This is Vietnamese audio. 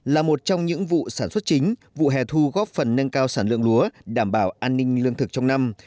là một trong những vụ sản xuất chính vụ hè thu góp phần nâng cao sản lượng lúa đảm bảo an ninh lương thực trong năm